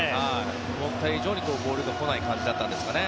思った以上にボールが来ない感じだったんですかね。